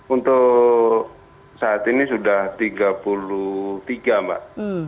untuk saat ini sudah tiga puluh tiga mbak